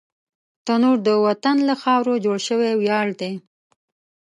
تنور د وطن له خاورو جوړ شوی ویاړ دی